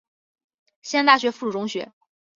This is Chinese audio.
西南大学附属中学。